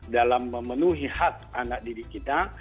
dalam memenuhi hak anak didik kita